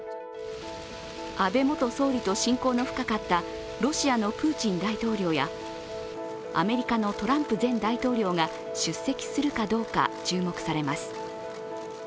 安倍元総理と親交の深かったロシアのプーチン大統領やアメリカのトランプ前大統領が出席するかどうか注目されます。